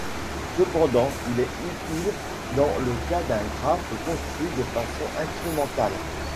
Cependant, il est utile dans le cas d'un graphe construit de façon incrémentale.